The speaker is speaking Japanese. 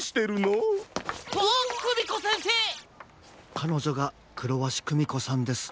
かのじょがクロワシクミコさんです。